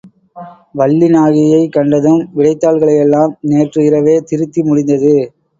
வள்ளி நாயகியைக் கண்டதும், விடைத்தாள்களையெல்லாம் நேற்று இரவே திருத்தி முடிந்தது.